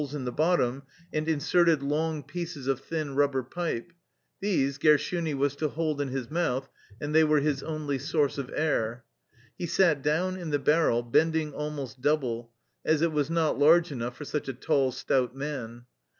175 THE LIFE STORY OF A RUSSIAN EXILE pieces of thin rubber pipe: these Gershuni was to hold in his mouth, and they were his only source of air. He sat down in the barrel, bend ing almost double, as it was not large enough for such a tall, stout man.